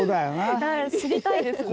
はい知りたいですね。